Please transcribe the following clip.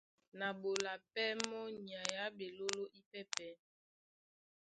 Na ɓola pɛ́ mɔ́ nyay á ɓeɓoló ípɛ́pɛ̄.